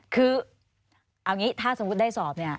คือเอาอย่างนี้ถ้าสมมุติได้สอบเนี่ย